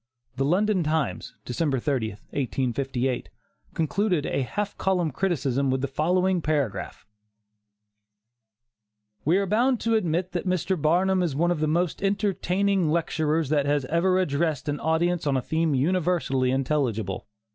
The London Times, December 30, 1858, concluded a half column criticism with the following paragraph: "We are bound to admit that Mr. Barnum is one of the most entertaining lecturers that ever addressed an audience on a theme universally intelligible.